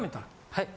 はい？